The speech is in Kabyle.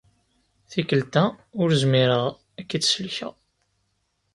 Tikelt-a ur zmireɣ ad k-id-sellkeɣ.